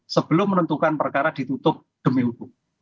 sebelum menentukan perkara ditutup demi hukum